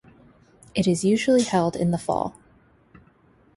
It is usually held in the fall.